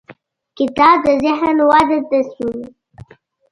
کتاب د ذهن وده تضمینوي.